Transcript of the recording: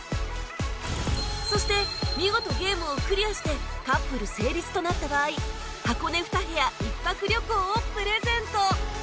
そして見事ゲームをクリアしてカップル成立となった場合箱根２部屋１泊旅行をプレゼント！